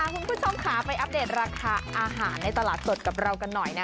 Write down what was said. คุณผู้ชมค่ะไปอัปเดตราคาอาหารในตลาดสดกับเรากันหน่อยนะ